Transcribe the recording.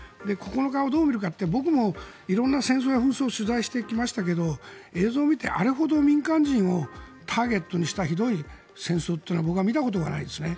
９日をどう見るかって僕も色んな戦争や紛争を取材してきましたけど映像を見てあれほど民間人をターゲットにしたひどい戦争は僕は見たことがないですね。